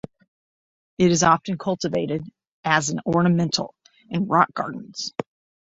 It is often cultivated as an ornamental in rock gardens.